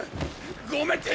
ごめんて！